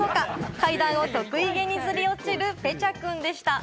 階段を得意げにずり落ちるペチャくんでした。